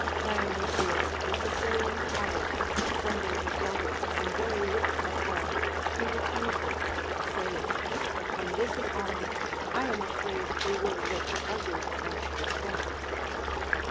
Dionysius the Sicilian tyrant sending his daughters some very rich apparel, he refused it, saying, When this is on, I am afraid they will look ugly and deformed.